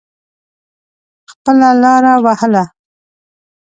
خپله لاره وهله.